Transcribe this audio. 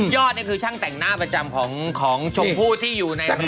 ยอดเนี่ยคือช่างแต่งหน้าประจำของของชมผู้ที่อยู่ในรายการ